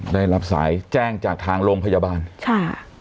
ได้รับสายแจ้งจากทางโรงพยาบาลค่ะ